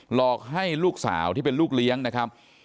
หลอกให้ลูกสาวที่เป็นลูกเลี้ยงนะครับ